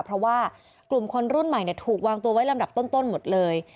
เพราะว่ากลุ่มคนรุ่นใหม่ถูกวางตัวไว้ลำดับต้นหมดเลย